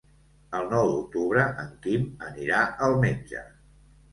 El nou d'octubre en Quim anirà al metge.